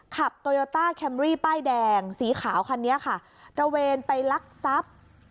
โตโยต้าแคมรี่ป้ายแดงสีขาวคันนี้ค่ะตระเวนไปลักทรัพย์